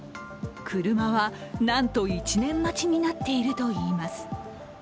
車はなんと１年待ちになっているといいます。